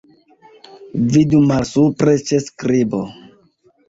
Vidu malsupre ĉe skribo.